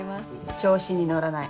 調子に乗らない。